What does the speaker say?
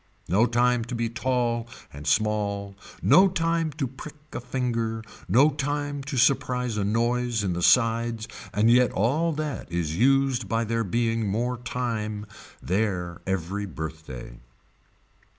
No time to be tall and small no time to prick a finger, no time to surprise a noise in the sides and yet all that is used by there being more time there every birthday.